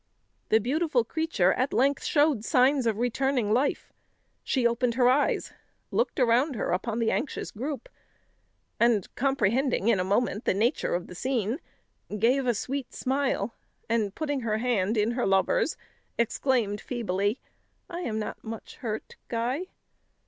The beautiful creature at length showed signs of returning life; she opened her eyes; looked around her upon the anxious group, and comprehending in a moment the nature of the scene, gave a sweet smile, and putting her hand in her lover's, exclaimed feebly, "I am not much hurt, Guy!"